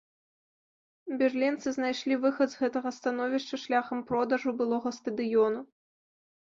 Берлінцы знайшлі выхад з гэтага становішча шляхам продажу былога стадыёну.